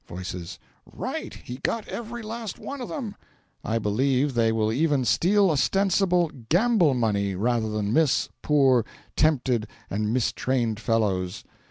(Voices. "Right he got every last one of them.") I believe they will even steal ostensible GAMBLE money, rather than miss, poor, tempted, and mistrained fellows.